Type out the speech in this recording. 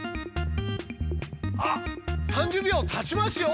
あっ３０秒たちますよ。